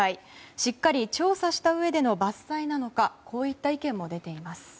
しっかり調査したうえでの伐採なのかこういった意見も出ています。